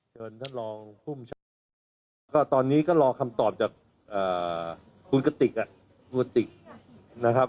ก็ตอนนี้ก็รอคำตอบจากอ่าคุณกติกอ่ะคุณกติกนะครับ